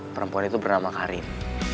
perempuan itu bernama karin